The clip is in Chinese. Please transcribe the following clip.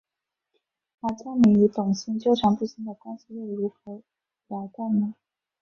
而家明与童昕纠缠不清的关系又如何了断呢？